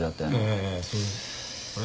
ええあれ？